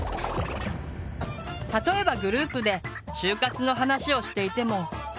例えばグループで就活の話をしていても。